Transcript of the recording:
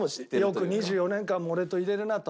よく２４年間も俺といれるなと。